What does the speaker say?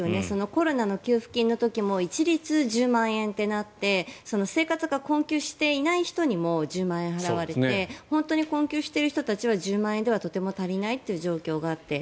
コロナの給付金の時も一律１０万円となって生活が困窮していない人にも１０万円払われて本当に困窮している人たちは１０万円ではとても足りないという状況があって。